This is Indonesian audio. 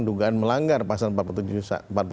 dugaan melanggar pasal empat puluh tujuh r satu